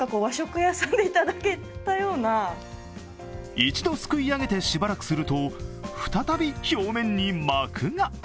一度すくい上げてしばらくすると、再び表面に膜が。